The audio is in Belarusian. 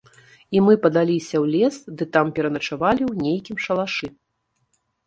І мы падаліся ў лес ды там пераначавалі ў нейкім шалашы.